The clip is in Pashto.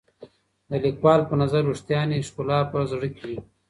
د لیکوال په نظر رښتیانۍ ښکلا په زړه کې وي.